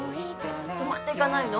泊まっていかないの？